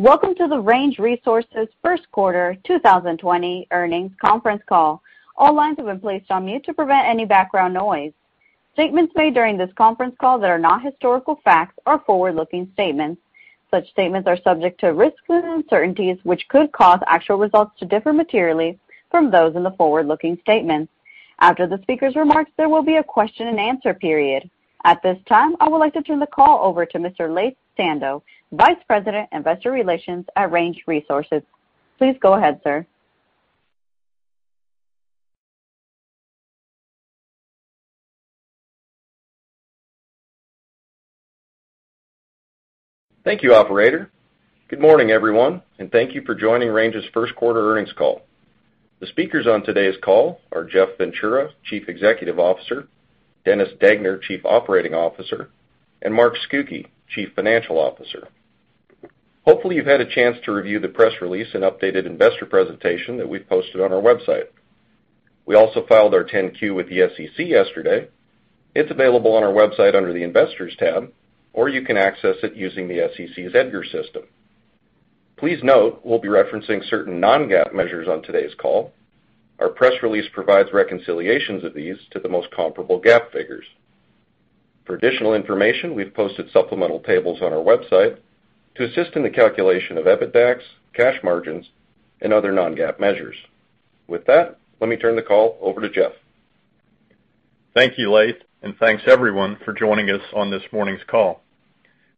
Welcome to the Range Resources first quarter 2020 earnings conference call. All lines have been placed on mute to prevent any background noise. Statements made during this conference call that are not historical facts are forward-looking statements. Such statements are subject to risks and uncertainties, which could cause actual results to differ materially from those in the forward-looking statements. After the speakers' remarks, there will be a question-and-answer period. At this time, I would like to turn the call over to Mr. Laith Sando, Vice President, Investor Relations at Range Resources. Please go ahead, sir. Thank you, operator. Good morning, everyone, and thank you for joining Range's first quarter earnings call. The speakers on today's call are Jeff Ventura, Chief Executive Officer, Dennis Degner, Chief Operating Officer, and Mark Scucchi, Chief Financial Officer. Hopefully, you've had a chance to review the press release and updated investor presentation that we've posted on our website. We also filed our 10-Q with the SEC yesterday. It's available on our website under the Investors tab, or you can access it using the SEC's EDGAR system. Please note, we'll be referencing certain non-GAAP measures on today's call. Our press release provides reconciliations of these to the most comparable GAAP figures. For additional information, we've posted supplemental tables on our website to assist in the calculation of EBITDAX, cash margins, and other non-GAAP measures. With that, let me turn the call over to Jeff. Thank you, Laith, and thanks, everyone, for joining us on this morning's call.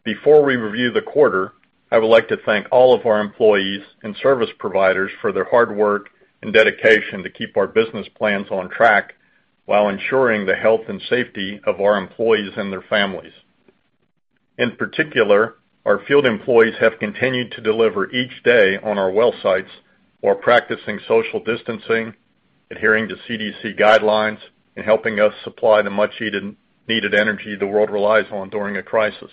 Before we review the quarter, I would like to thank all of our employees and service providers for their hard work and dedication to keep our business plans on track while ensuring the health and safety of our employees and their families. In particular, our field employees have continued to deliver each day on our well sites while practicing social distancing, adhering to CDC guidelines, and helping us supply the much-needed energy the world relies on during a crisis.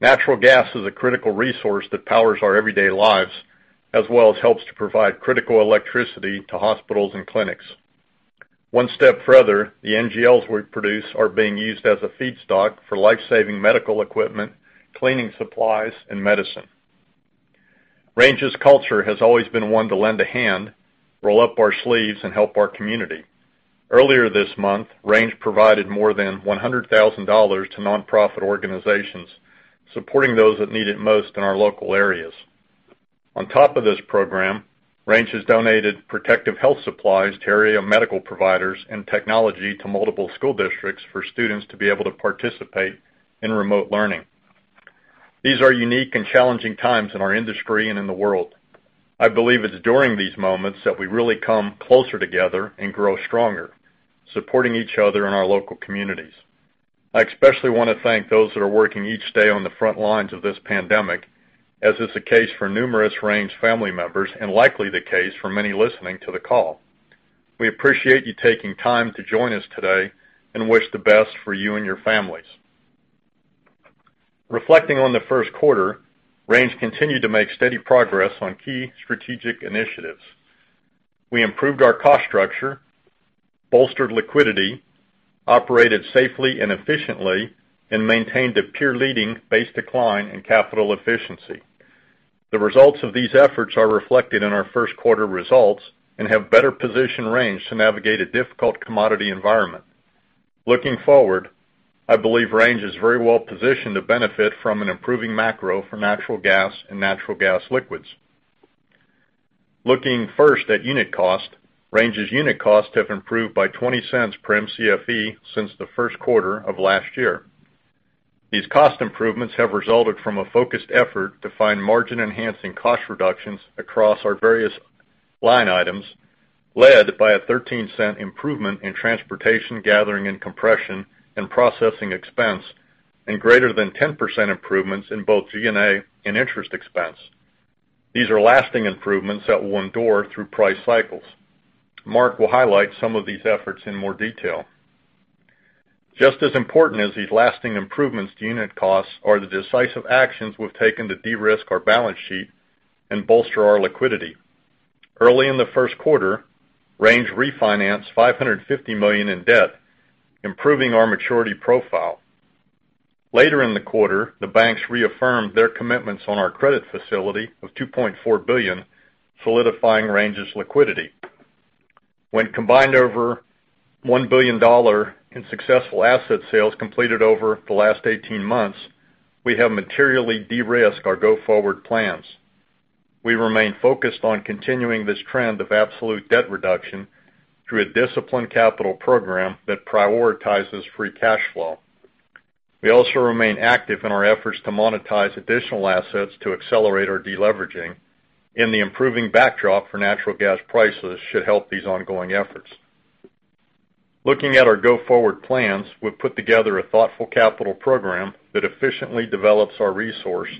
Natural gas is a critical resource that powers our everyday lives, as well as helps to provide critical electricity to hospitals and clinics. One step further, the NGLs we produce are being used as a feedstock for life-saving medical equipment, cleaning supplies, and medicine. Range's culture has always been one to lend a hand, roll up our sleeves, and help our community. Earlier this month, Range provided more than $100,000 to nonprofit organizations, supporting those that need it most in our local areas. On top of this program, Range has donated protective health supplies to area medical providers and technology to multiple school districts for students to be able to participate in remote learning. These are unique and challenging times in our industry and in the world. I believe it's during these moments that we really come closer together and grow stronger, supporting each other in our local communities. I especially want to thank those that are working each day on the front lines of this pandemic, as is the case for numerous Range family members and likely the case for many listening to the call. We appreciate you taking time to join us today and wish the best for you and your families. Reflecting on the first quarter, Range continued to make steady progress on key strategic initiatives. We improved our cost structure, bolstered liquidity, operated safely and efficiently, and maintained a peer-leading base decline in capital efficiency. The results of these efforts are reflected in our first quarter results and have better positioned Range to navigate a difficult commodity environment. Looking forward, I believe Range is very well-positioned to benefit from an improving macro for natural gas and natural gas liquids. Looking first at unit cost, Range's unit costs have improved by $0.20 per Mcfe since the first quarter of last year. These cost improvements have resulted from a focused effort to find margin-enhancing cost reductions across our various line items, led by a $0.13 improvement in transportation, gathering and compression, and processing expense, and greater than 10% improvements in both G&A and interest expense. These are lasting improvements that will endure through price cycles. Mark will highlight some of these efforts in more detail. Just as important as these lasting improvements to unit costs are the decisive actions we've taken to de-risk our balance sheet and bolster our liquidity. Early in the first quarter, Range refinanced $550 million in debt, improving our maturity profile. Later in the quarter, the banks reaffirmed their commitments on our credit facility of $2.4 billion, solidifying Range's liquidity. When combined over $1 billion in successful asset sales completed over the last 18 months, we have materially de-risked our go-forward plans. We remain focused on continuing this trend of absolute debt reduction through a disciplined capital program that prioritizes free cash flow. We also remain active in our efforts to monetize additional assets to accelerate our deleveraging, and the improving backdrop for natural gas prices should help these ongoing efforts. Looking at our go-forward plans, we've put together a thoughtful capital program that efficiently develops our resource,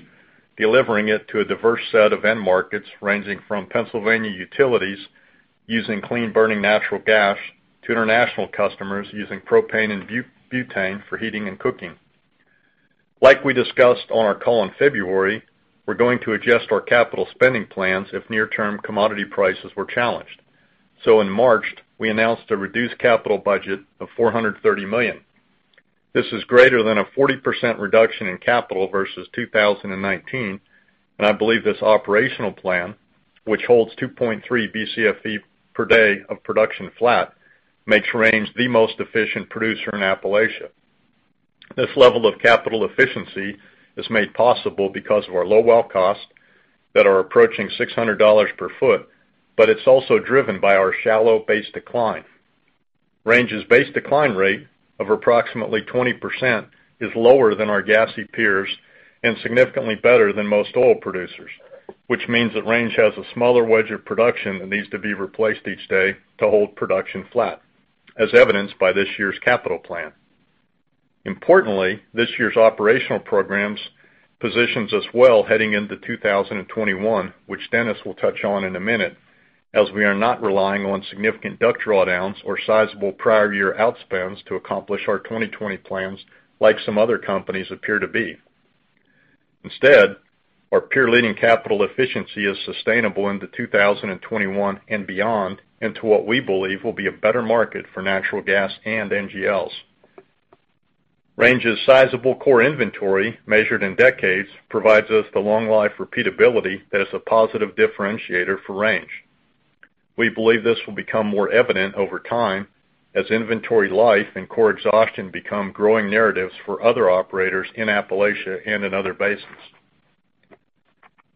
delivering it to a diverse set of end markets, ranging from Pennsylvania utilities using clean-burning natural gas to international customers using propane and butane for heating and cooking. Like we discussed on our call in February, we're going to adjust our capital spending plans if near-term commodity prices were challenged. In March, we announced a reduced capital budget of $430 million. This is greater than a 40% reduction in capital versus 2019. I believe this operational plan, which holds 2.3 Bcf per day of production flat, makes Range the most efficient producer in Appalachia. This level of capital efficiency is made possible because of our low well costs that are approaching $600 per foot, but it's also driven by our shallow base decline. Range's base decline rate of approximately 20% is lower than our gassy peers and significantly better than most oil producers, which means that Range has a smaller wedge of production that needs to be replaced each day to hold production flat, as evidenced by this year's capital plan. Importantly, this year's operational programs positions us well heading into 2021, which Dennis will touch on in a minute, as we are not relying on significant DUC drawdowns or sizable prior year outspends to accomplish our 2020 plans like some other companies appear to be. Instead, our peer-leading capital efficiency is sustainable into 2021 and beyond, into what we believe will be a better market for natural gas and NGLs. Range's sizable core inventory, measured in decades, provides us the long life repeatability that is a positive differentiator for Range. We believe this will become more evident over time as inventory life and core exhaustion become growing narratives for other operators in Appalachia and in other basins.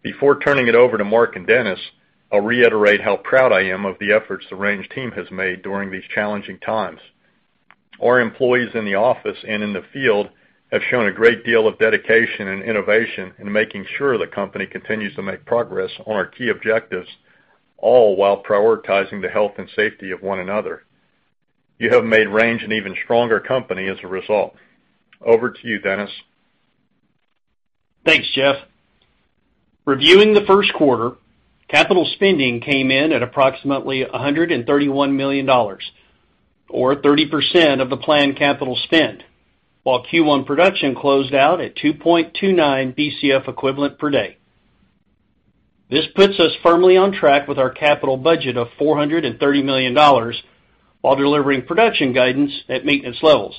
Before turning it over to Mark and Dennis, I'll reiterate how proud I am of the efforts the Range team has made during these challenging times. Our employees in the office and in the field have shown a great deal of dedication and innovation in making sure the company continues to make progress on our key objectives, all while prioritizing the health and safety of one another. You have made Range an even stronger company as a result. Over to you, Dennis. Thanks, Jeff. Reviewing the first quarter, capital spending came in at approximately $131 million, or 30% of the planned capital spend, while Q1 production closed out at 2.29 Bcf per day. This puts us firmly on track with our capital budget of $430 million while delivering production guidance at maintenance levels,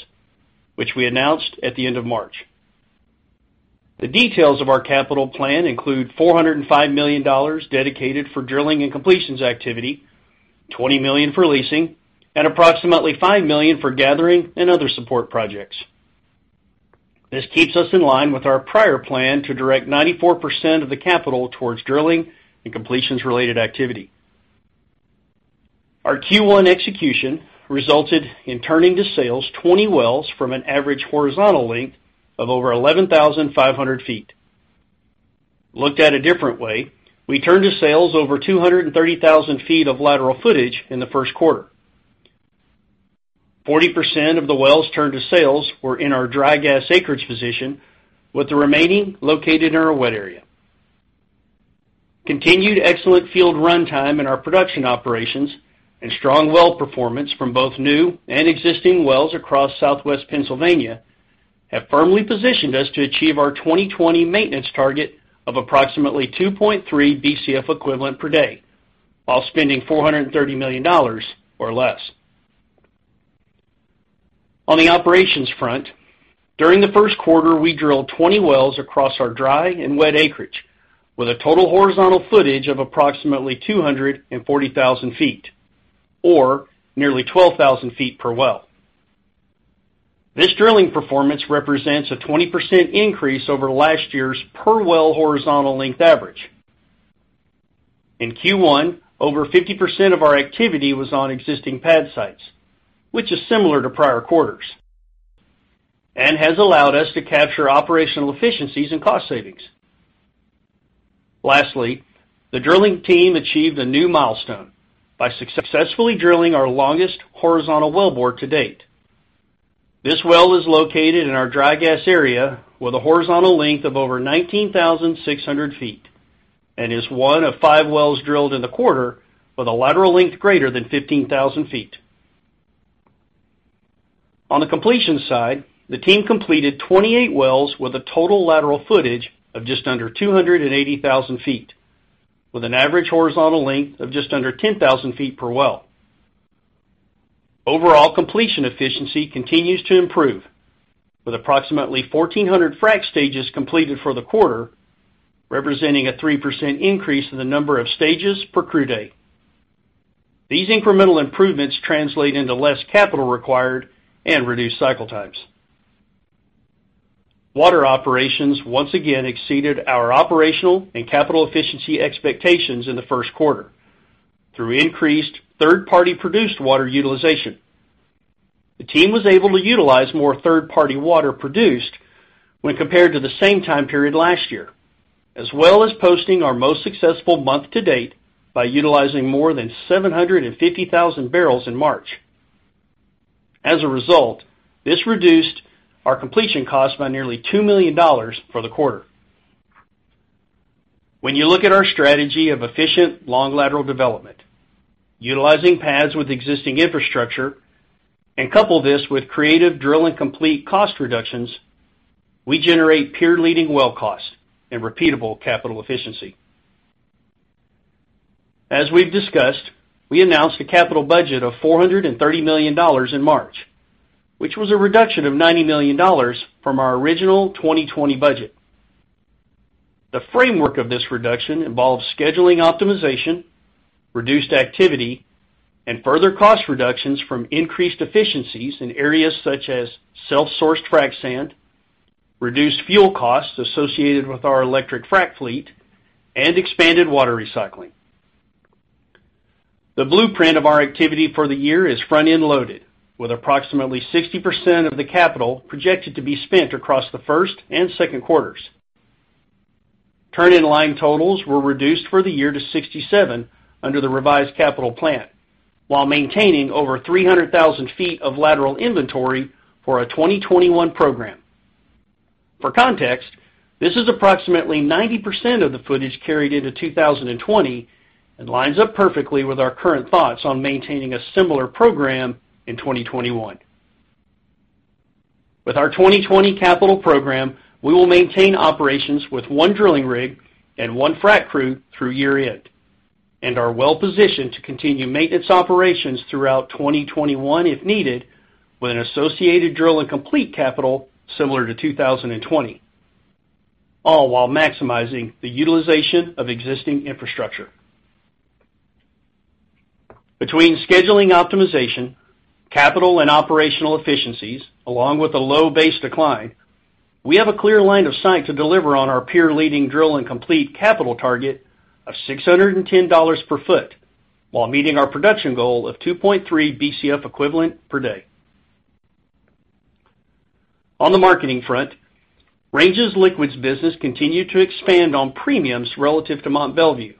which we announced at the end of March. The details of our capital plan include $405 million dedicated for drilling and completions activity, $20 million for leasing, and approximately $5 million for gathering and other support projects. This keeps us in line with our prior plan to direct 94% of the capital towards drilling and completions related activity. Our Q1 execution resulted in turning to sales 20 wells from an average horizontal length of over 11,500 ft. Looked at a different way, we turned to sales over 230,000 ft of lateral footage in the first quarter. 40% of the wells turned to sales were in our dry gas acreage position, with the remaining located in our wet area. Continued excellent field runtime in our production operations and strong well performance from both new and existing wells across Southwest Pennsylvania have firmly positioned us to achieve our 2020 maintenance target of approximately 2.3 Bcf equivalent per day while spending $430 million or less. On the operations front, during the first quarter, we drilled 20 wells across our dry and wet acreage with a total horizontal footage of approximately 240,000 ft, or nearly 12,000 ft per well. This drilling performance represents a 20% increase over last year's per well horizontal length average. In Q1, over 50% of our activity was on existing pad sites, which is similar to prior quarters, and has allowed us to capture operational efficiencies and cost savings. Lastly, the drilling team achieved a new milestone by successfully drilling our longest horizontal well bore to date. This well is located in our dry gas area with a horizontal length of over 19,600 ft and is one of five wells drilled in the quarter with a lateral length greater than 15,000 ft. On the completion side, the team completed 28 wells with a total lateral footage of just under 280,000 ft, with an average horizontal length of just under 10,000 ft per well. Overall completion efficiency continues to improve, with approximately 1,400 frac stages completed for the quarter, representing a 3% increase in the number of stages per crew date. These incremental improvements translate into less capital required and reduced cycle times. Water operations once again exceeded our operational and capital efficiency expectations in the first quarter through increased third-party produced water utilization. The team was able to utilize more third-party water produced when compared to the same time period last year, as well as posting our most successful month to date by utilizing more than 750,000 bbl in March. As a result, this reduced our completion cost by nearly $2 million for the quarter. When you look at our strategy of efficient long lateral development, utilizing pads with existing infrastructure, and couple this with creative drill and complete cost reductions, we generate peer-leading well costs and repeatable capital efficiency. As we've discussed, we announced a capital budget of $430 million in March, which was a reduction of $90 million from our original 2020 budget. The framework of this reduction involves scheduling optimization, reduced activity, and further cost reductions from increased efficiencies in areas such as self-sourced frac sand, reduced fuel costs associated with our electric frac fleet, and expanded water recycling. The blueprint of our activity for the year is front-end loaded, with approximately 60% of the capital projected to be spent across the first and second quarters. Turn-in-line totals were reduced for the year to 67 under the revised capital plan, while maintaining over 300,000 ft of lateral inventory for a 2021 program. For context, this is approximately 90% of the footage carried into 2020, and lines up perfectly with our current thoughts on maintaining a similar program in 2021. With our 2020 capital program, we will maintain operations with one drilling rig and one frac crew through year-end, and are well-positioned to continue maintenance operations throughout 2021 if needed, with an associated drill and complete capital similar to 2020, all while maximizing the utilization of existing infrastructure. Between scheduling optimization, capital and operational efficiencies, along with a low base decline, we have a clear line of sight to deliver on our peer-leading drill and complete capital target of $610 per foot while meeting our production goal of 2.3 Bcf equivalent per day. On the marketing front, Range's liquids business continued to expand on premiums relative to Mont Belvieu,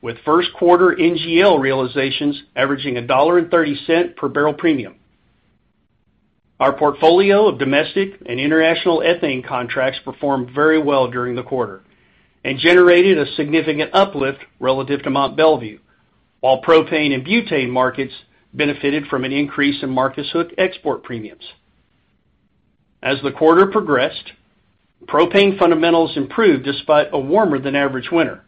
with first quarter NGL realizations averaging $1.30 per barrel premium. Our portfolio of domestic and international ethane contracts performed very well during the quarter and generated a significant uplift relative to Mont Belvieu, while propane and butane markets benefited from an increase in Marcus Hook export premiums. As the quarter progressed, propane fundamentals improved despite a warmer than average winter.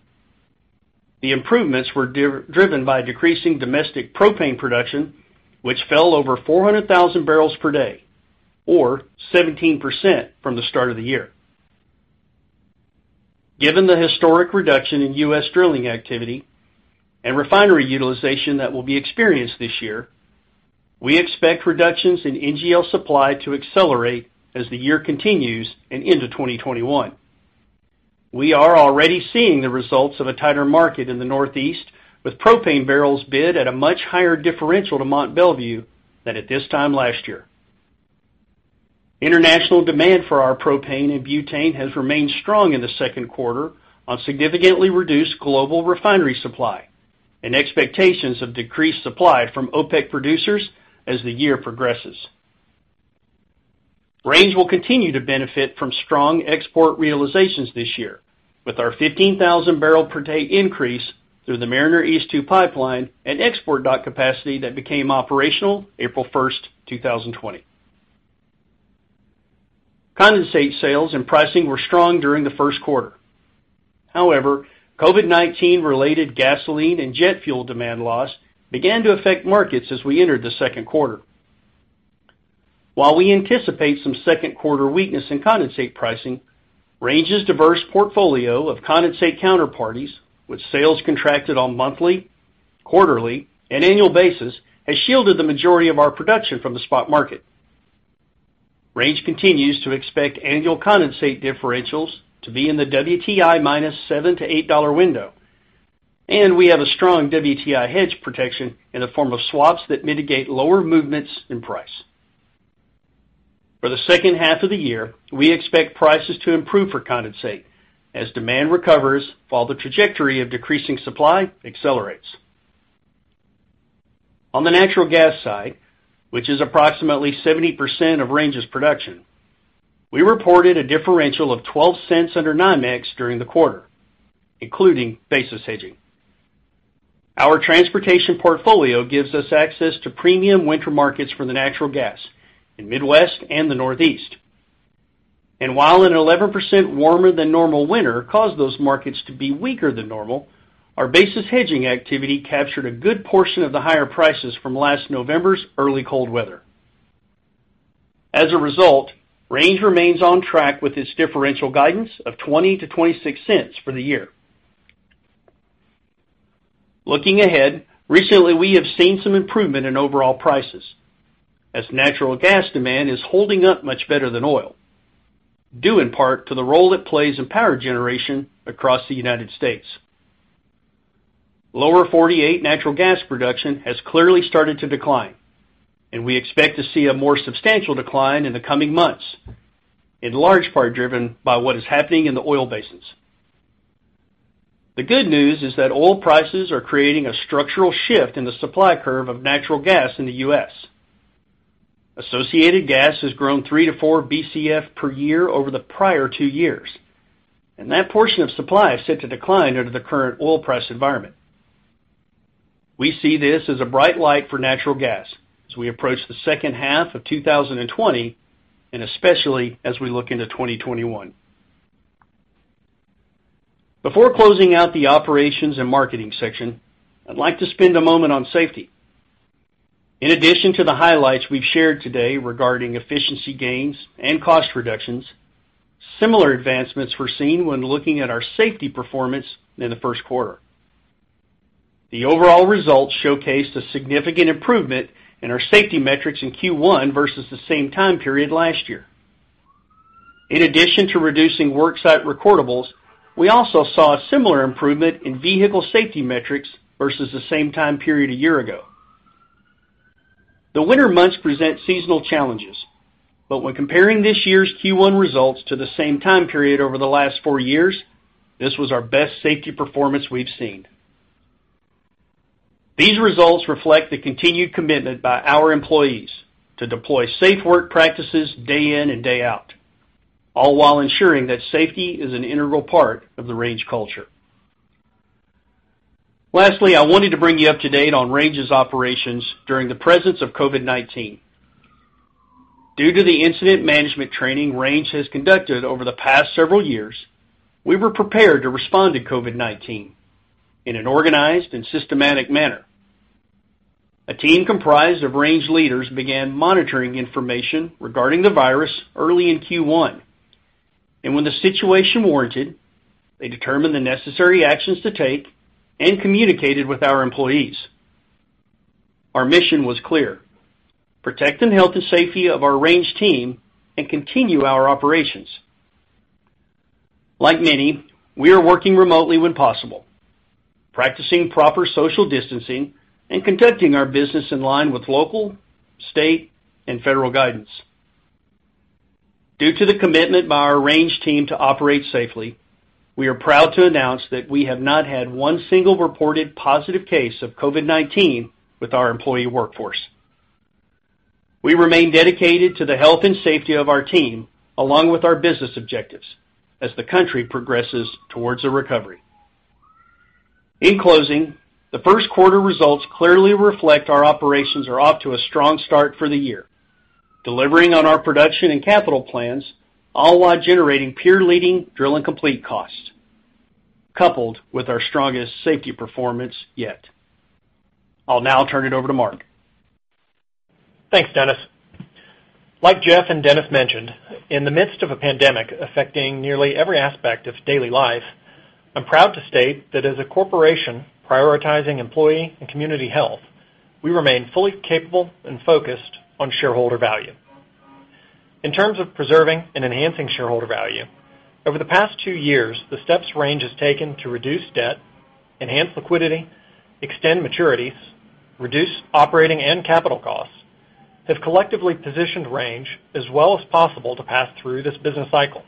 The improvements were driven by decreasing domestic propane production, which fell over 400,000 bbl per day or 17% from the start of the year. Given the historic reduction in U.S. drilling activity and refinery utilization that will be experienced this year, we expect reductions in NGL supply to accelerate as the year continues and into 2021. We are already seeing the results of a tighter market in the Northeast, with propane barrels bid at a much higher differential to Mont Belvieu than at this time last year. International demand for our propane and butane has remained strong in the second quarter on significantly reduced global refinery supply and expectations of decreased supply from OPEC producers as the year progresses. Range will continue to benefit from strong export realizations this year with our 15,000 bbl per day increase through the Mariner East 2 pipeline and export dock capacity that became operational April 1st, 2020. Condensate sales and pricing were strong during the first quarter. COVID-19 related gasoline and jet fuel demand loss began to affect markets as we entered the second quarter. While we anticipate some second quarter weakness in condensate pricing, Range's diverse portfolio of condensate counterparties with sales contracted on monthly, quarterly, and annual basis, has shielded the majority of our production from the spot market. Range continues to expect annual condensate differentials to be in the WTI minus $7-$8 window, and we have a strong WTI hedge protection in the form of swaps that mitigate lower movements in price. For the second half of the year, we expect prices to improve for condensate as demand recovers while the trajectory of decreasing supply accelerates. On the natural gas side, which is approximately 70% of Range's production, we reported a differential of $0.12 under NYMEX during the quarter, including basis hedging. Our transportation portfolio gives us access to premium winter markets for the natural gas in Midwest and the Northeast. While an 11% warmer than normal winter caused those markets to be weaker than normal, our basis hedging activity captured a good portion of the higher prices from last November's early cold weather. As a result, Range remains on track with its differential guidance of $0.20-$0.26 for the year. Looking ahead, recently, we have seen some improvement in overall prices as natural gas demand is holding up much better than oil, due in part to the role it plays in power generation across the U.S. Lower 48 natural gas production has clearly started to decline, and we expect to see a more substantial decline in the coming months, in large part driven by what is happening in the oil basins. The good news is that oil prices are creating a structural shift in the supply curve of natural gas in the U.S. Associated gas has grown three to 4 Bcf per year over the prior two years, and that portion of supply is set to decline under the current oil price environment. We see this as a bright light for natural gas as we approach the second half of 2020, and especially as we look into 2021. Before closing out the operations and marketing section, I'd like to spend a moment on safety. In addition to the highlights we've shared today regarding efficiency gains and cost reductions, similar advancements were seen when looking at our safety performance in the first quarter. The overall results showcased a significant improvement in our safety metrics in Q1 versus the same time period last year. In addition to reducing work site recordables, we also saw a similar improvement in vehicle safety metrics versus the same time period a year ago. The winter months present seasonal challenges, but when comparing this year's Q1 results to the same time period over the last four years, this was our best safety performance we've seen. These results reflect the continued commitment by our employees to deploy safe work practices day in and day out, all while ensuring that safety is an integral part of the Range culture. Lastly, I wanted to bring you up to date on Range's operations during the presence of COVID-19. Due to the incident management training Range has conducted over the past several years, we were prepared to respond to COVID-19 in an organized and systematic manner. A team comprised of Range leaders began monitoring information regarding the virus early in Q1, and when the situation warranted, they determined the necessary actions to take and communicated with our employees. Our mission was clear: protect the health and safety of our Range team and continue our operations. Like many, we are working remotely when possible, practicing proper social distancing, and conducting our business in line with local, state, and federal guidance. Due to the commitment by our Range team to operate safely, we are proud to announce that we have not had one single reported positive case of COVID-19 with our employee workforce. We remain dedicated to the health and safety of our team, along with our business objectives as the country progresses towards a recovery. In closing, the first quarter results clearly reflect our operations are off to a strong start for the year, delivering on our production and capital plans, all while generating peer-leading drill and complete costs, coupled with our strongest safety performance yet. I'll now turn it over to Mark. Thanks, Dennis. Like Jeff and Dennis mentioned, in the midst of a pandemic affecting nearly every aspect of daily life, I'm proud to state that as a corporation prioritizing employee and community health, we remain fully capable and focused on shareholder value. In terms of preserving and enhancing shareholder value, over the past two years, the steps Range has taken to reduce debt, enhance liquidity, extend maturities, reduce operating and capital costs, have collectively positioned Range as well as possible to pass through this business cycle.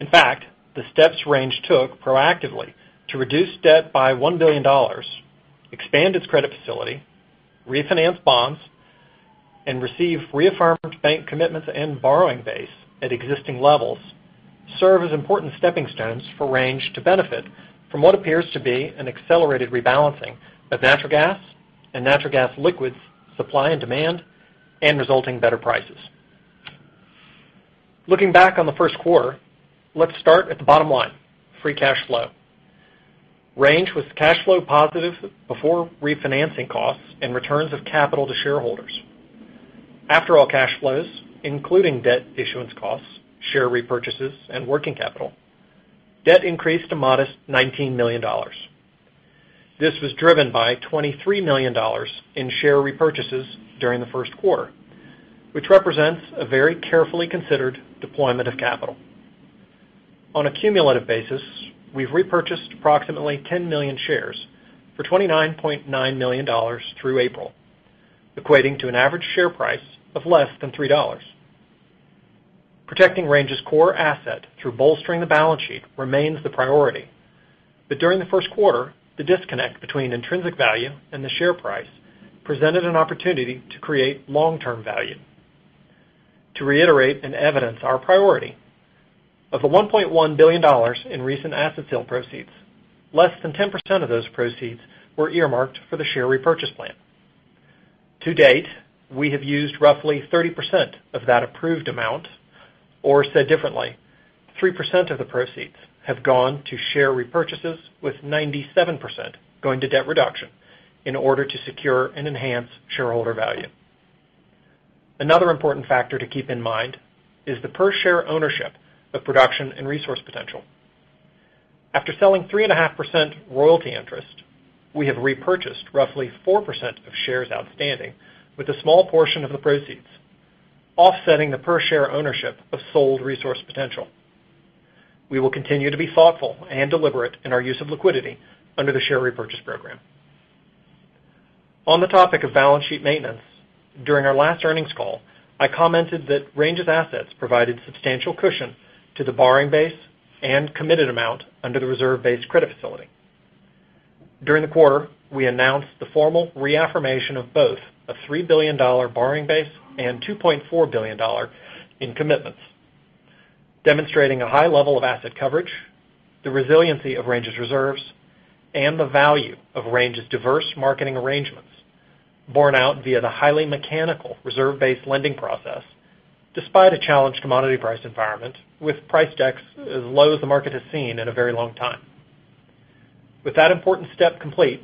In fact, the steps Range took proactively to reduce debt by $1 billion, expand its credit facility, refinance bonds, and receive reaffirmed bank commitments and borrowing base at existing levels, serve as important stepping stones for Range to benefit from what appears to be an accelerated rebalancing of natural gas and natural gas liquids, supply and demand, and resulting better prices. Looking back on the first quarter, let's start at the bottom line, free cash flow. Range was cash flow positive before refinancing costs and returns of capital to shareholders. After all cash flows, including debt issuance costs, share repurchases, and working capital, debt increased a modest $19 million. This was driven by $23 million in share repurchases during the first quarter, which represents a very carefully considered deployment of capital. On a cumulative basis, we've repurchased approximately 10 million shares for $29.9 million through April, equating to an average share price of less than $3. Protecting Range's core asset through bolstering the balance sheet remains the priority. During the first quarter, the disconnect between intrinsic value and the share price presented an opportunity to create long-term value. To reiterate and evidence our priority, of the $1.1 billion in recent asset sale proceeds, less than 10% of those proceeds were earmarked for the share repurchase plan. To date, we have used roughly 30% of that approved amount, or said differently, 3% of the proceeds have gone to share repurchases, with 97% going to debt reduction in order to secure and enhance shareholder value. Another important factor to keep in mind is the per-share ownership of production and resource potential. After selling 3.5% royalty interest, we have repurchased roughly 4% of shares outstanding with a small portion of the proceeds, offsetting the per-share ownership of sold resource potential. We will continue to be thoughtful and deliberate in our use of liquidity under the share repurchase program. On the topic of balance sheet maintenance, during our last earnings call, I commented that Range of Assets provided substantial cushion to the borrowing base and committed amount under the reserve-based credit facility. During the quarter, we announced the formal reaffirmation of both a $3 billion borrowing base and $2.4 billion in commitments, demonstrating a high level of asset coverage, the resiliency of Range's reserves, and the value of Range's diverse marketing arrangements. Borne out via the highly mechanical reserve-based lending process, despite a challenged commodity price environment with price decks as low as the market has seen in a very long time. With that important step complete,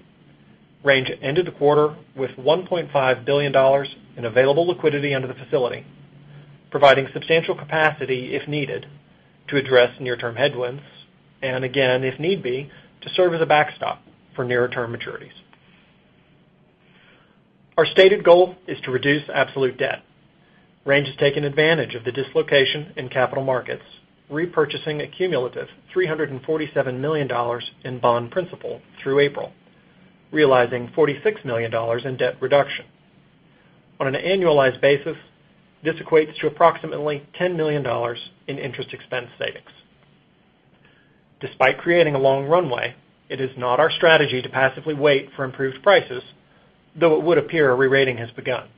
Range ended the quarter with $1.5 billion in available liquidity under the facility, providing substantial capacity, if needed, to address near-term headwinds, and again, if need be, to serve as a backstop for nearer-term maturities. Our stated goal is to reduce absolute debt. Range has taken advantage of the dislocation in capital markets, repurchasing a cumulative $347 million in bond principal through April, realizing $46 million in debt reduction. On an annualized basis, this equates to approximately $10 million in interest expense savings. Despite creating a long runway, it is not our strategy to passively wait for improved prices, though it would appear a re-rating has begun.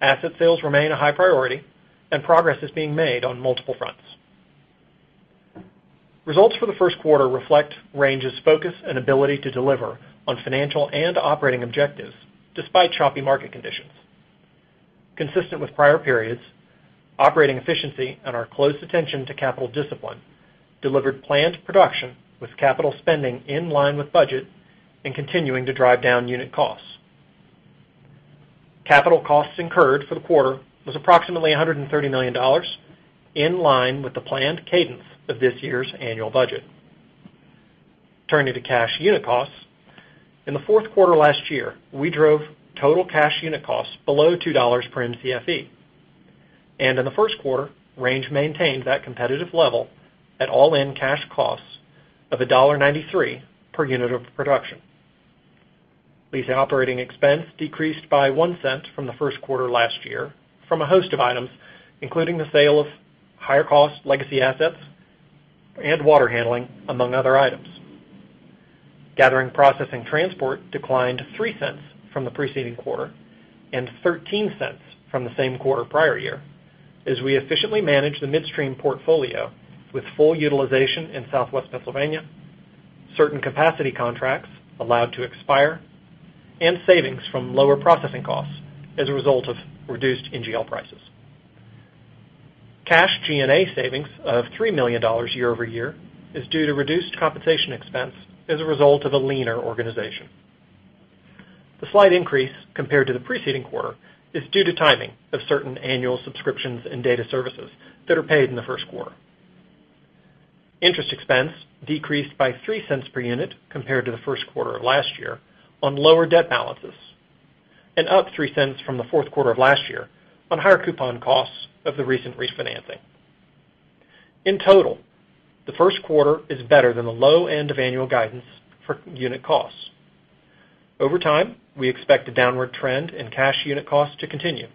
Asset sales remain a high priority, and progress is being made on multiple fronts. Results for the first quarter reflect Range's focus and ability to deliver on financial and operating objectives despite choppy market conditions. Consistent with prior periods, operating efficiency and our close attention to capital discipline delivered planned production with capital spending in line with budget and continuing to drive down unit costs. Capital costs incurred for the quarter was approximately $130 million, in line with the planned cadence of this year's annual budget. In the first quarter, Range maintained that competitive level at all-in cash costs of $1.93 per unit of production. Lease operating expenses decreased by $0.01 from the first quarter last year from a host of items, including the sale of higher-cost legacy assets and water handling, among other items. Gathering, processing, transport declined $0.03 from the preceding quarter and $0.13 from the same quarter prior year as we efficiently managed the midstream portfolio with full utilization in Southwest Pennsylvania, certain capacity contracts allowed to expire, and savings from lower processing costs as a result of reduced NGL prices. Cash G&A savings of $3 million year-over-year is due to reduced compensation expense as a result of a leaner organization. The slight increase compared to the preceding quarter is due to timing of certain annual subscriptions and data services that are paid in the first quarter. Interest expense decreased by $0.03 per unit compared to the first quarter of last year on lower debt balances and up $0.03 from the fourth quarter of last year on higher coupon costs of the recent refinancing. In total, the first quarter is better than the low end of annual guidance for unit costs. Over time, we expect a downward trend in cash unit costs to continue,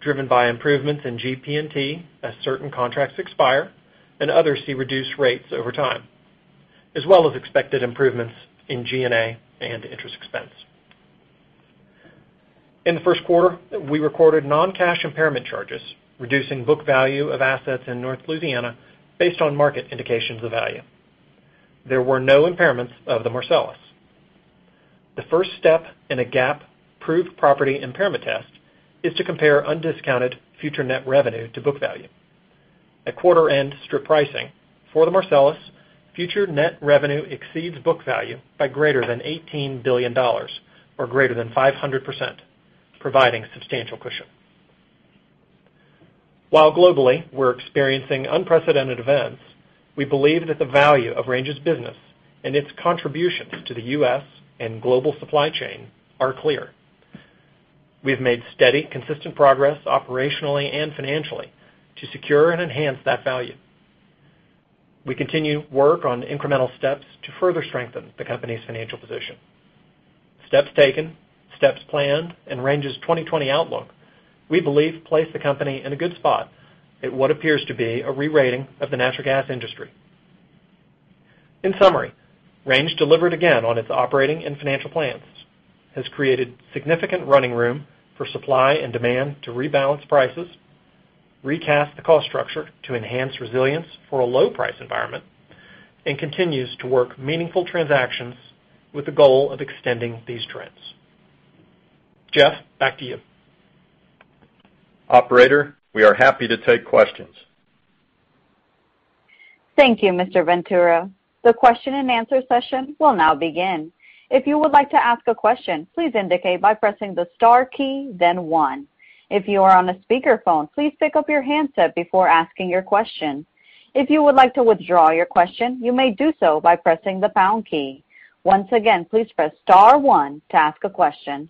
driven by improvements in GP&T as certain contracts expire and others see reduced rates over time, as well as expected improvements in G&A and interest expense. In the first quarter, we recorded non-cash impairment charges, reducing book value of assets in North Louisiana based on market indications of value. There were no impairments of the Marcellus. The first step in a GAAP-proved property impairment test is to compare undiscounted future net revenue to book value. At quarter-end strip pricing, for the Marcellus, future net revenue exceeds book value by greater than $18 billion or greater than 500%, providing substantial cushion. While globally, we're experiencing unprecedented events, we believe that the value of Range's business and its contributions to the U.S. and global supply chain are clear. We have made steady, consistent progress operationally and financially to secure and enhance that value. We continue work on incremental steps to further strengthen the company's financial position. Steps taken, steps planned, and Range's 2020 outlook, we believe, place the company in a good spot at what appears to be a re-rating of the natural gas industry. In summary, Range delivered again on its operating and financial plans, has created significant running room for supply and demand to rebalance prices, recast the cost structure to enhance resilience for a low-price environment, and continues to work meaningful transactions with the goal of extending these trends. Jeff, back to you. Operator, we are happy to take questions. Thank you, Mr. Ventura. The question-and-answer session will now begin. If you would like to ask a question, please indicate by pressing the star key, then one. If you are on a speakerphone, please pick up your handset before asking your question. If you would like to withdraw your question, you may do so by pressing the pound key. Once again, please press star one to ask a question.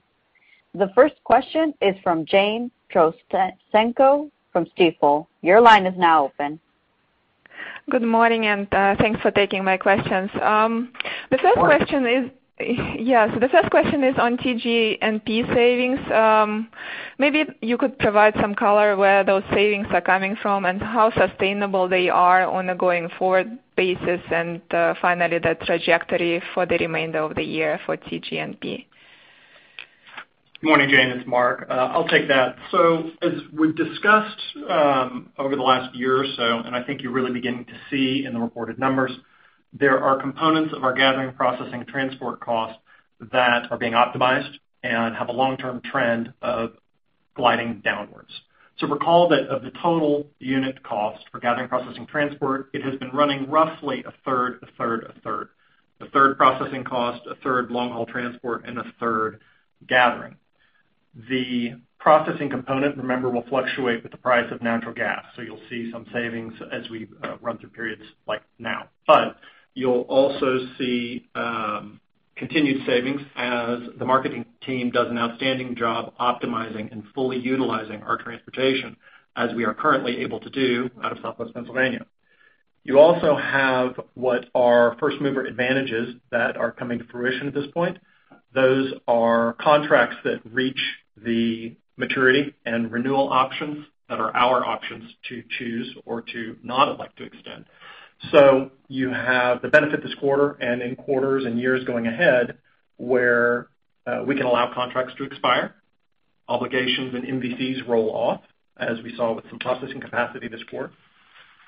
The first question is from Jane Trotsenko from Stifel. Your line is now open. Good morning, and thanks for taking my questions. Of course. The first question is on TG&P savings. Maybe you could provide some color where those savings are coming from and how sustainable they are on a going-forward basis and, finally, the trajectory for the remainder of the year for TG&P. Good morning, Jane. It's Mark. I'll take that. As we've discussed over the last year or so, and I think you're really beginning to see in the reported numbers, there are components of our gathering, processing, and transport costs that are being optimized and have a long-term trend of gliding downwards. Recall that of the total unit cost for gathering, processing, transport, it has been running roughly 1/3, 1/3, 1/3. A third processing cost, 1/3 long-haul transport, and 1/3 gathering. The processing component, remember, will fluctuate with the price of natural gas. You'll see some savings as we run through periods like now. You'll also see continued savings as the marketing team does an outstanding job optimizing and fully utilizing our transportation as we are currently able to do out of Southwest Pennsylvania. You also have what are first-mover advantages that are coming to fruition at this point. Those are contracts that reach the maturity and renewal options that are our options to choose or to not elect to extend. You have the benefit this quarter and in quarters and years going ahead, where we can allow contracts to expire. Obligations and MVCs roll off, as we saw with some processing capacity this quarter.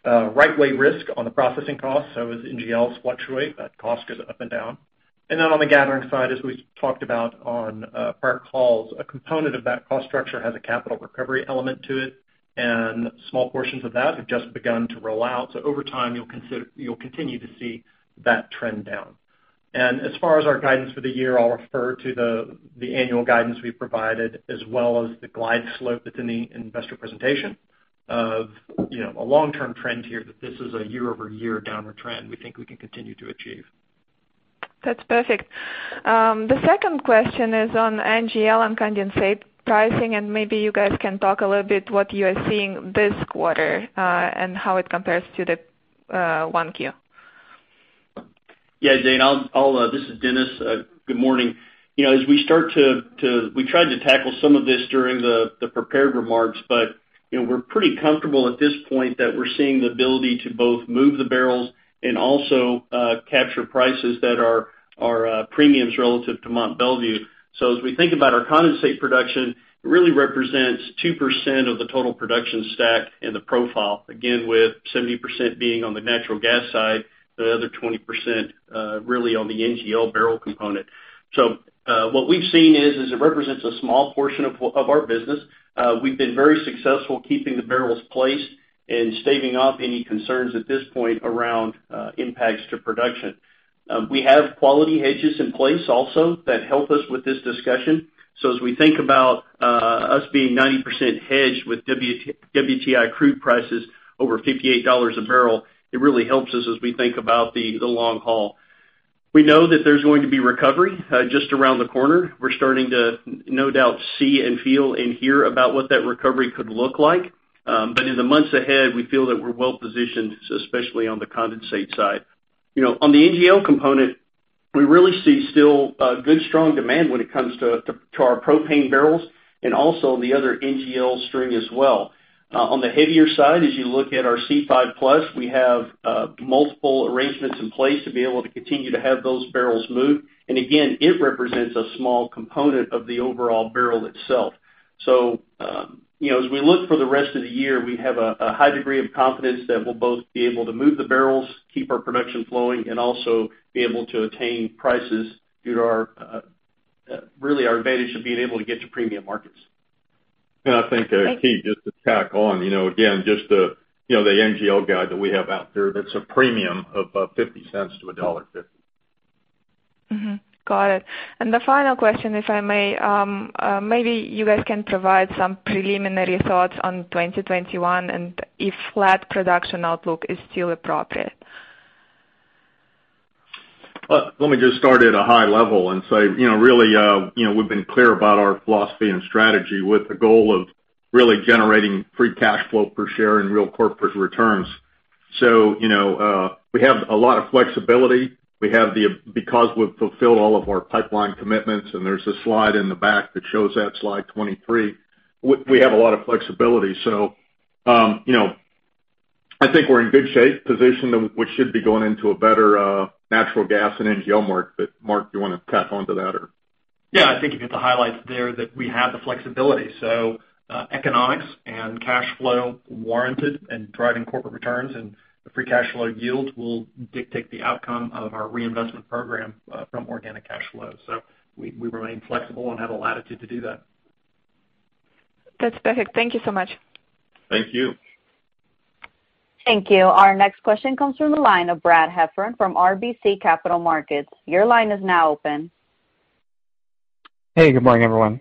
Right way risk on the processing cost. As NGLs fluctuate, that cost goes up and down. On the gathering side, as we talked about on prior calls, a component of that cost structure has a capital recovery element to it, and small portions of that have just begun to roll out. Over time, you'll continue to see that trend down. As far as our guidance for the year, I'll refer to the annual guidance we provided as well as the glide slope that's in the investor presentation of a long-term trend here that this is a year-over-year downward trend we think we can continue to achieve. That's perfect. The second question is on NGL and condensate pricing, and maybe you guys can talk a little bit what you are seeing this quarter, and how it compares to the 1Q. Yeah, Jane, this is Dennis. Good morning. We tried to tackle some of this during the prepared remarks. We're pretty comfortable at this point that we're seeing the ability to both move the barrels and also capture prices that are premiums relative to Mont Belvieu. As we think about our condensate production, it really represents 2% of the total production stack and the profile, again, with 70% being on the natural gas side, the other 20% really on the NGL barrel component. What we've seen is it represents a small portion of our business. We've been very successful keeping the barrels placed and staving off any concerns at this point around impacts to production. We have quality hedges in place also that help us with this discussion. As we think about us being 90% hedged with WTI crude prices over $58 a barrel, it really helps us as we think about the long haul. We know that there's going to be recovery just around the corner. We're starting to, no doubt, see and feel and hear about what that recovery could look like. In the months ahead, we feel that we're well-positioned, especially on the condensate side. On the NGL component, we really see still a good, strong demand when it comes to our propane barrels and also the other NGL string as well. On the heavier side, as you look at our C5+, we have multiple arrangements in place to be able to continue to have those barrels move. Again, it represents a small component of the overall barrel itself. As we look for the rest of the year, we have a high degree of confidence that we'll both be able to move the barrels, keep our production flowing, and also be able to attain prices due to our advantage of being able to get to premium markets. I think, Jane, just to tack on, again, just the NGL guide that we have out there, that's a premium of $0.50-$1.50. Got it. The final question, if I may. Maybe you guys can provide some preliminary thoughts on 2021 and if flat production outlook is still appropriate. Let me just start at a high level and say, really, we've been clear about our philosophy and strategy with the goal of really generating free cash flow per share and real corporate returns. We have a lot of flexibility. Because we've fulfilled all of our pipeline commitments, and there's a slide in the back that shows that, slide 23. We have a lot of flexibility. I think we're in good shape, positioned, and we should be going into a better natural gas and NGL market. Mark, you want to tack onto that or? Yeah, I think you hit the highlights there that we have the flexibility. Economics and cash flow warranted and driving corporate returns and the free cash flow yield will dictate the outcome of our reinvestment program from organic cash flow. We remain flexible and have the latitude to do that. That's perfect. Thank you so much. Thank you. Thank you. Our next question comes from the line of Brad Heffern from RBC Capital Markets. Your line is now open. Hey, good morning, everyone.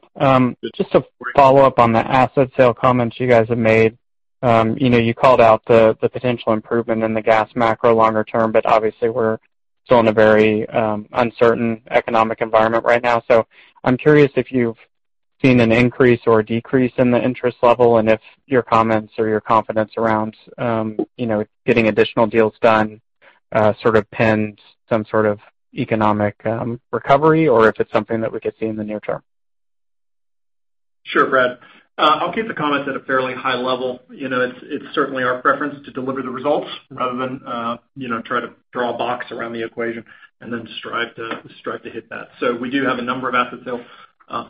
Just a follow-up on the asset sale comments you guys have made. You called out the potential improvement in the gas macro longer term, but obviously we're still in a very uncertain economic environment right now. I'm curious if you've seen an increase or decrease in the interest level and if your comments or your confidence around getting additional deals done pins some sort of economic recovery or if it's something that we could see in the near term. Sure, Brad. I'll keep the comments at a fairly high level. It's certainly our preference to deliver the results rather than try to draw a box around the equation and then strive to hit that. We do have a number of assets sales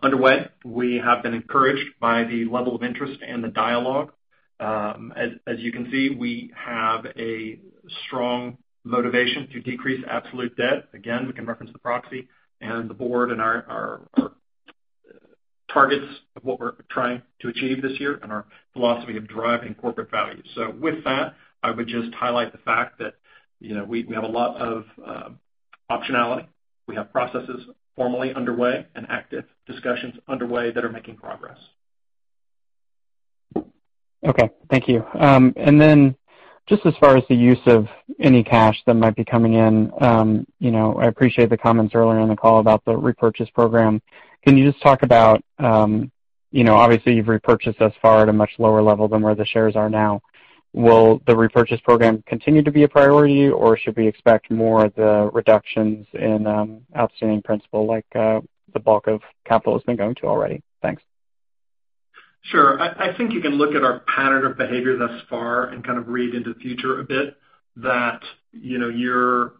underway. We have been encouraged by the level of interest and the dialogue. As you can see, we have a strong motivation to decrease absolute debt. Again, we can reference the proxy and the board and our targets of what we're trying to achieve this year and our philosophy of driving corporate value. With that, I would just highlight the fact that we have a lot of optionality. We have processes formally underway and active discussions underway that are making progress. Okay. Thank you. Just as far as the use of any cash that might be coming in, I appreciate the comments earlier in the call about the repurchase program. Can you just talk about, obviously you've repurchased thus far at a much lower level than where the shares are now. Will the repurchase program continue to be a priority, or should we expect more of the reductions in outstanding principal like the bulk of capital has been going to already? Thanks. Sure. I think you can look at our pattern of behavior thus far and kind of read into the future a bit that you're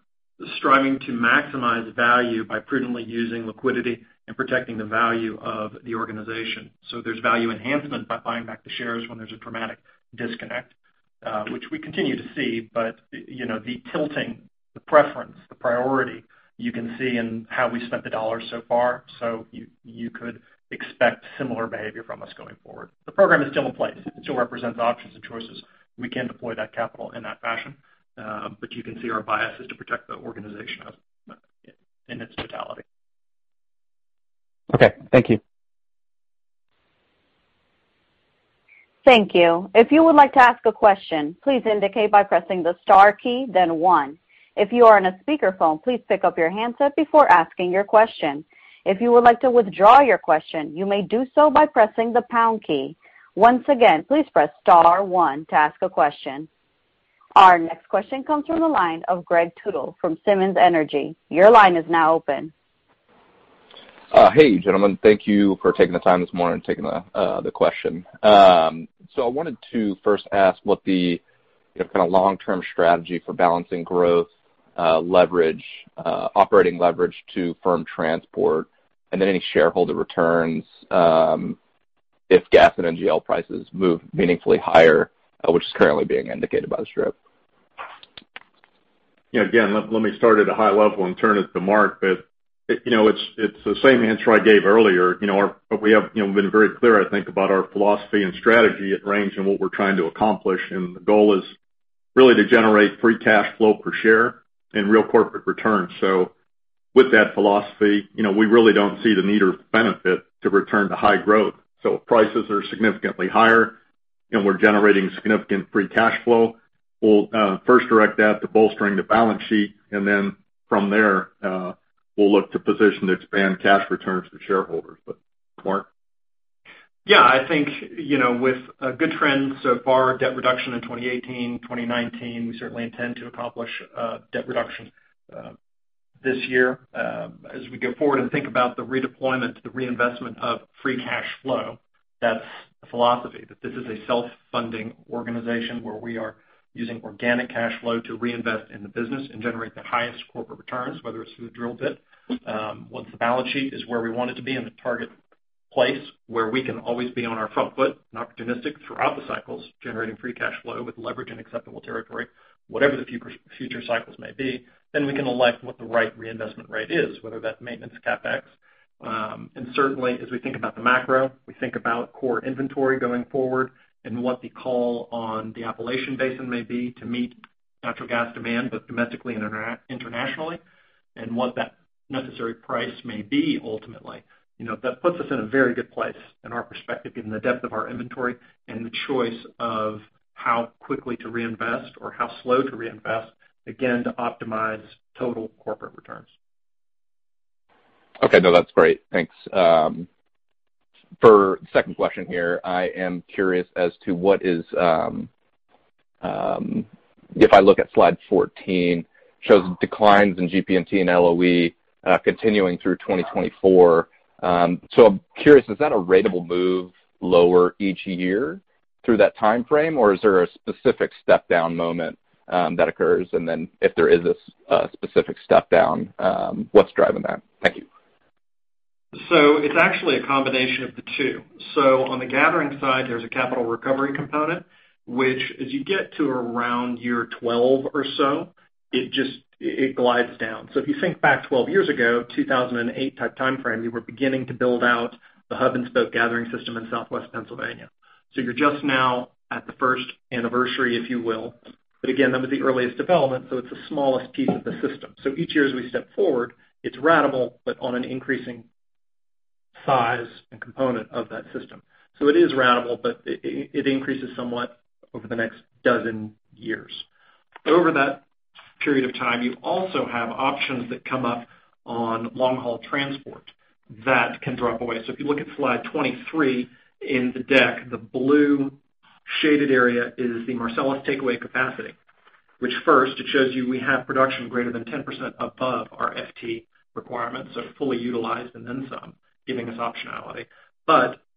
striving to maximize value by prudently using liquidity and protecting the value of the organization. There's value enhancement by buying back the shares when there's a dramatic disconnect, which we continue to see. The tilting, the preference, the priority you can see in how we spent the dollars so far. You could expect similar behavior from us going forward. The program is still in place. It still represents options and choices. We can deploy that capital in that fashion. You can see our bias is to protect the organization in its totality. Okay. Thank you. Thank you. If you would like to ask a question, please indicate by pressing the star key, then one. If you are on a speakerphone, please pick up your handset before asking your question. If you would like to withdraw your question, you may do so by pressing the pound key. Once again, please press star one to ask a question. Our next question comes from the line of Greg Tootle from Simmons Energy. Your line is now open. Hey, gentlemen. Thank you for taking the time this morning, taking the question. I wanted to first ask what the kind of long-term strategy for balancing growth, leverage, operating leverage to firm transport, and then any shareholder returns if gas and NGL prices move meaningfully higher, which is currently being indicated by the strip. Again, let me start at a high level and turn it to Mark. It's the same answer I gave earlier. We have been very clear, I think, about our philosophy and strategy at Range and what we're trying to accomplish. The goal is really to generate free cash flow per share and real corporate returns. With that philosophy, we really don't see the need or benefit to return to high growth. If prices are significantly higher and we're generating significant free cash flow, we'll first direct that to bolstering the balance sheet, and then from there, we'll look to position to expand cash returns to shareholders. Mark? Yeah, I think, with a good trend so far, debt reduction in 2018, 2019, we certainly intend to accomplish debt reduction this year. We go forward and think about the redeployment, the reinvestment of free cash flow, that's the philosophy. This is a self-funding organization where we are using organic cash flow to reinvest in the business and generate the highest corporate returns, whether it's through the drill bit. Once the balance sheet is where we want it to be in the target place where we can always be on our front foot and opportunistic throughout the cycles, generating free cash flow with leverage in acceptable territory, whatever the future cycles may be, then we can elect what the right reinvestment rate is, whether that's maintenance CapEx. Certainly, as we think about the macro, we think about core inventory going forward and what the call on the Appalachian Basin may be to meet natural gas demand, both domestically and internationally, and what that necessary price may be ultimately. That puts us in a very good place in our perspective, given the depth of our inventory and the choice of how quickly to reinvest or how slow to reinvest, again, to optimize total corporate returns. Okay. No, that's great. Thanks. For second question here, I am curious as to if I look at slide 14, shows declines in GP&T and LOE continuing through 2024. I'm curious, is that a ratable move lower each year through that timeframe, or is there a specific step down moment that occurs? If there is a specific step down, what's driving that? Thank you. It's actually a combination of the two. On the gathering side, there's a capital recovery component, which as you get to around year 12 or so, it glides down. If you think back 12 years ago, 2008 type timeframe, we were beginning to build out the hub-and-spoke gathering system in Southwest Pennsylvania. You're just now at the first anniversary, if you will. Again, that was the earliest development, it's the smallest piece of the system. Each year as we step forward, it's ratable, on an increasing size and component of that system. It is ratable, it increases somewhat over the next dozen years. Over that period of time, you also have options that come up on long-haul transport that can drop away. If you look at slide 23 in the deck, the blue shaded area is the Marcellus takeaway capacity. Which first, it shows you we have production greater than 10% above our FT requirements, fully utilized and then some, giving us optionality.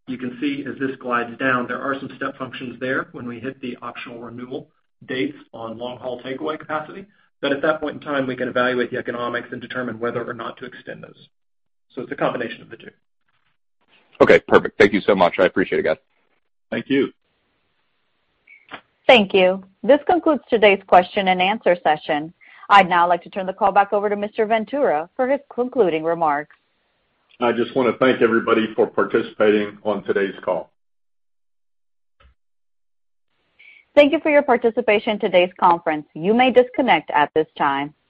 You can see as this glides down, there are some step functions there when we hit the optional renewal dates on long-haul takeaway capacity. At that point in time, we can evaluate the economics and determine whether or not to extend those. It's a combination of the two. Okay, perfect. Thank you so much. I appreciate it, guys. Thank you. Thank you. This concludes today's question-and-answer session. I'd now like to turn the call back over to Mr. Ventura for his concluding remarks. I just want to thank everybody for participating on today's call. Thank you for your participation in today's conference. You may disconnect at this time.